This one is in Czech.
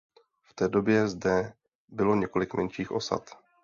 V té době zde bylo několik menších osad.